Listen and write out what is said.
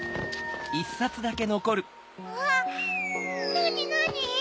なになに？